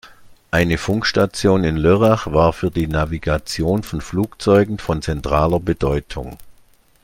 Eine Funkstation in Lörrach war für die Navigation von Flugzeugen von zentraler Bedeutung.